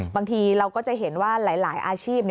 บางทีเราก็จะเห็นว่าหลายอาชีพ